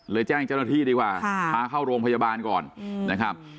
แจ้งเจ้าหน้าที่ดีกว่าพาเข้าโรงพยาบาลก่อนนะครับ